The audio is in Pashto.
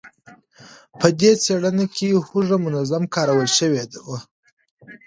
په دې څېړنه کې هوږه منظم کارول شوې وه.